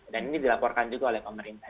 dan ini dilaporkan juga oleh pak bapak